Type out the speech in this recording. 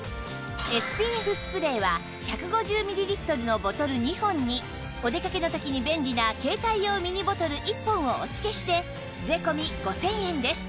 ＳＰＦ スプレーは１５０ミリリットルのボトル２本におでかけの時に便利な携帯用ミニボトル１本をお付けして税込５０００円です